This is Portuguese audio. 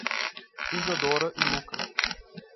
Isadora e Lucca